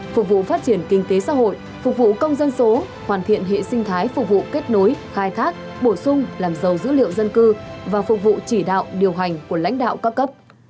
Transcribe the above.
phục vụ phát triển kinh tế xã hội phục vụ công dân số hoàn thiện hệ sinh thái phục vụ kết nối khai thác bổ sung làm giàu dữ liệu dân cư và phục vụ chỉ đạo điều hành của lãnh đạo các cấp